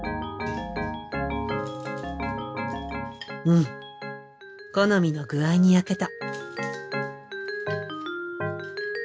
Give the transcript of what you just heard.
うん好みの具合に焼けた。